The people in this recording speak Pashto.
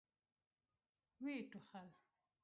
ويې ټوخل.